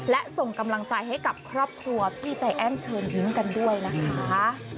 และส่งกำลังใจให้กับครอบครัวพี่ใจแอ้นเชิญยิ้มกันด้วยนะคะ